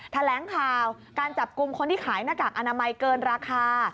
แถลงข่าวการจับกลุ่มคนที่ขายหน้ากากอนามัยเกินราคา